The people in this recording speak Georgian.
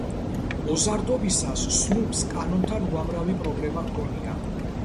მოზარდობისას სნუპს კანონთან უამრავი პრობლემა ჰქონია.